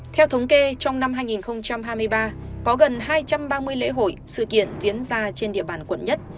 theo thống kê trong năm hai nghìn hai mươi ba có gần hai trăm ba mươi lễ hội sự kiện diễn ra trên địa bàn quận một